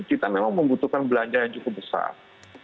kita memang membutuhkan belanja yang cukup besar